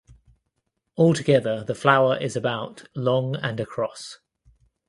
Altogether the flower is about long and across.